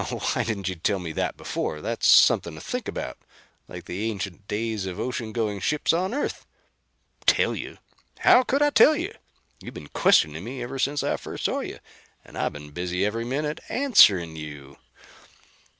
"Now why didn't you tell me that before? That's something to think about. Like the ancient days of ocean going ships on Earth." "Tell you? How could I tell you? You've been questioning me ever since I first saw you and I've been busy every minute answering you."